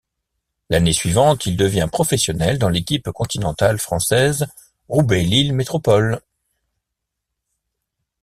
L'année suivante, il devient professionnel dans l'équipe continentale française Roubaix Lille Métropole.